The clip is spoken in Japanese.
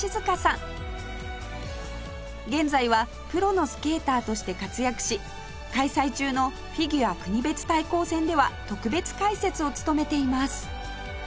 現在はプロのスケーターとして活躍し開催中のフィギュア国別対抗戦では特別解説を務めています